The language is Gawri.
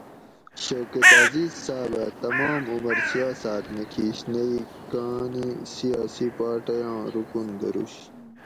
شوکت عزیز صاۤب اۤ تمام عُمر سیاساۤت نہ کِیش نہ ئ کاں نی سیاسی پارٹئ آں رُکن دروش